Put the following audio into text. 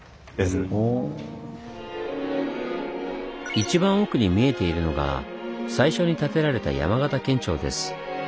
いちばん奥に見えているのが最初に建てられた山形県庁です。